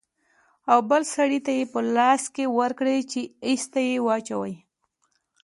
او بل سړي ته يې په لاس کښې ورکړې چې ايسته يې واچوي.